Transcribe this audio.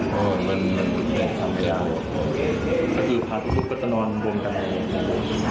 เพราะว่ามันมันถ้าคือพาทุกขุมก็จะนอนวงกับ